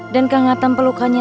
dan keangatan pelukanya